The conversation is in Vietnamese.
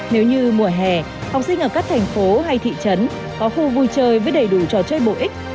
nếu như mùa hè học sinh ở các thành phố hay thị trấn có khu vui chơi với đầy đủ trò chơi bổ ích